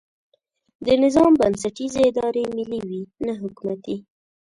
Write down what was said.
د نظام بنسټیزې ادارې ملي وي نه حکومتي.